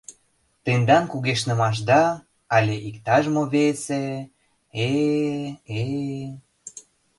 Тендан кугешнымашда але иктаж-мо весе, э... э...